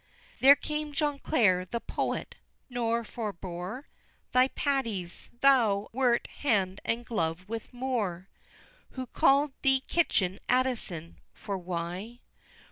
VI. There came John Clare, the poet, nor forbore Thy Patties thou wert hand and glove with Moore, Who call'd thee "Kitchen Addison" for why?